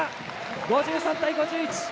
５３対５１。